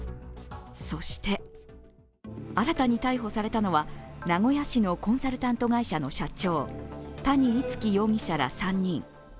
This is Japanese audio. そして新たに逮捕されたのは名古屋市のコンサルタント会社の社長、谷逸輝容疑者ら３人。